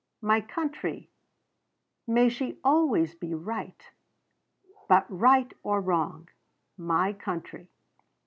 "'My country may she always be right but right or wrong my country.'